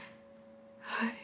はい。